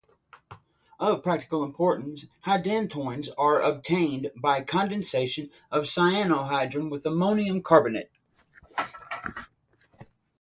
Of practical importance, hydantoins are obtained by condensation of a cyanohydrin with ammonium carbonate.